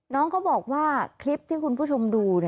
น้องเขาบอกว่าคลิปที่คุณผู้ชมดู